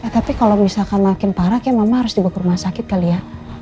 tapi kalau misalkan makin parah kayaknya mama harus dibawa ke rumah sakit kali ya